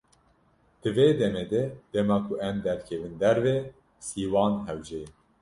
Di vê demê de dema ku em derkevin derve, sîwan hewce ye.